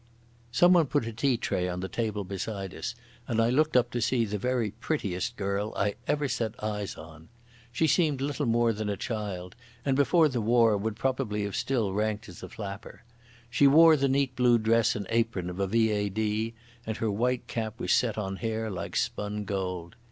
Someone put a tea tray on the table beside us, and I looked up to see the very prettiest girl I ever set eyes on. She seemed little more than a child, and before the war would probably have still ranked as a flapper. She wore the neat blue dress and apron of a V.A.D. and her white cap was set on hair like spun gold.